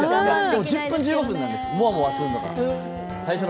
１０分、１５分なんです、もわもわするのは。